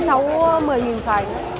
làm sao mua một mươi nghìn soài